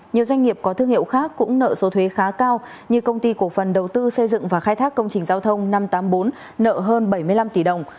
nhiều doanh nghiệp có thương hiệu khác cũng nợ số thuế khá cao như công ty cổ phần đầu tư xây dựng và khai thác công trình giao thông năm trăm tám mươi bốn nợ hơn bảy mươi năm tỷ đồng